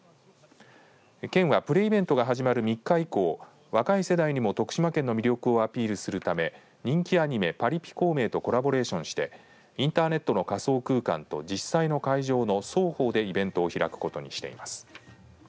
県はプレイベントが始まる３日以降若い世代にも徳島県の魅力をアピールするため人気アニメ、パリピ孔明とコラボレーションしてインターネットの仮想空間と実際の会場の双方でイベントを開くことにしています。